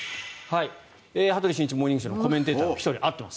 「羽鳥慎一モーニングショー」のコメンテーターの１人合っています。